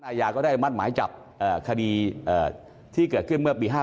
ศาลัยยาก็ได้มัตรหมายจับคดีที่เกิดขึ้นเมื่อปี๕๘นะครับ